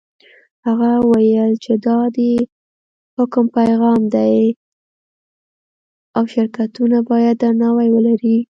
هغه وویل چې دا د حکم پیغام دی او شرکتونه باید درناوی ولري.